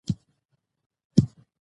من: پخوانۍ آریايي کليمه ده.